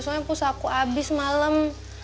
soalnya push aku habis malam